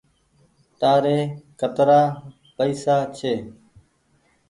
تآري ڪترآ پئيسا ڇي۔